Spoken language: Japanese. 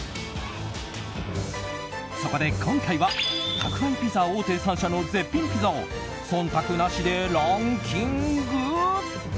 そこで今回は宅配ピザ大手３社の絶品ピザを忖度なしでランキング。